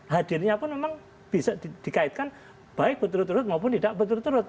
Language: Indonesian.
hadirnya pun memang bisa dikaitkan baik berturut turut maupun tidak berturut turut